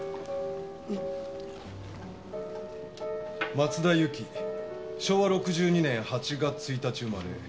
松田由紀昭和６２年８月１日生まれ。